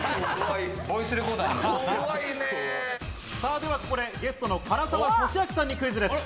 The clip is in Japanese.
ではここでゲストの唐沢寿明さんにクイズです。